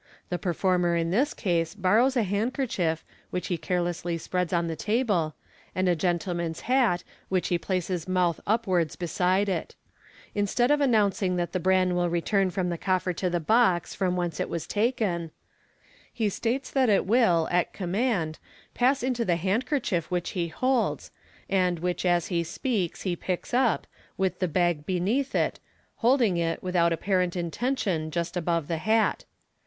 The performer in this case borrows a handkerchief, which he carelessly spreads on the table, and a gentleman's hat, which he places mouth upwards beside it. Instead of announcing that the bran will return from the coffer to the box from whence it was taken, he states that it will, at command, pass into the handkerchief which he holds, ana which as he speaks he picks up, with the bag beneath it, holding it, without apparent intention, just above the hat.